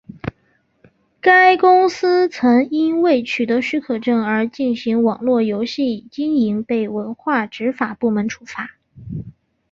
该公司曾因未取得许可证而进行网络游戏经营被文化执法部门处罚。